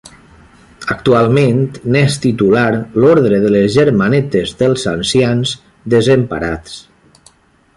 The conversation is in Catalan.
Actualment n'és titular l'orde de les Germanetes dels Ancians Desemparats.